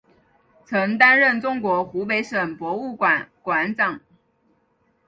曾担任中国湖北省博物馆馆长。